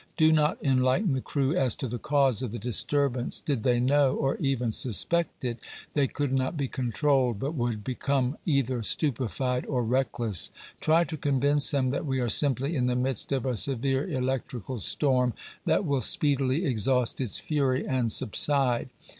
Do not enlighten the crew as to the cause of the disturbance; did they know, or even suspect it, they could not be controlled, but would become either stupefied or reckless. Try to convince them that we are simply in the midst of a severe electrical storm that will speedily exhaust its fury and subside.